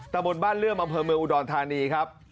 บนบ้านเลื่อมอำเภอเมืองอุดรธานีครับ